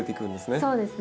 そうですね。